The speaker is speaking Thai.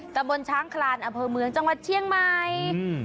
ตะบนช้างคลานอำเภอเมืองจังหวัดเชียงใหม่